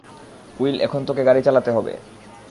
Will, এখন তোকে গাড়ি চালাতে হবে!